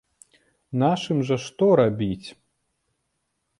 Нашым жа што рабіць?